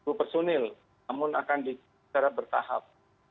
bapak kapolri menyebutkan akan mempersiapkan personil namun akan secara bertahap